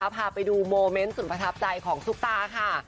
พาไปดูโมเมนต์สุดประทับใจของซุปตาค่ะ